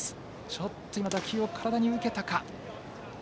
ちょっと今、打球を体に受けたか。